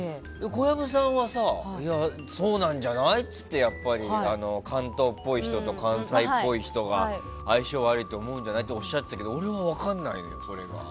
小籔さんはそうなんじゃない？って言って関東っぽい人と関西っぽい人が相性悪いんじゃないっておっしゃってたけど俺はそれが分からないのよ。